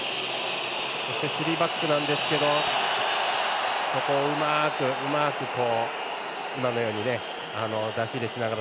そして、３バックなんですけどそこを、うまくうまく今のように出し入れしながら。